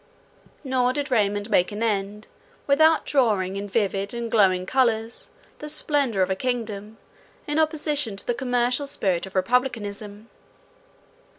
Nor did Raymond make an end without drawing in vivid and glowing colours, the splendour of a kingdom, in opposition to the commercial spirit of republicanism.